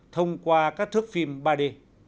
thông qua các thước phim ba d